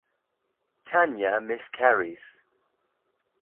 Tanya miscarries.